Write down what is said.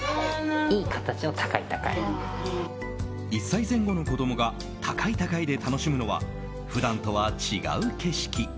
１歳前後の子供が、高い高いで楽しむのは普段とは違う景色。